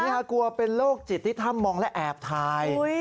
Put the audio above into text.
นี่ค่ะกลัวเป็นโลกจิตนิษธรรมมองและแอบทาย